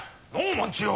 万千代。